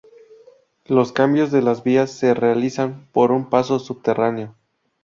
Los cambios de vías se realizan por un paso subterráneo.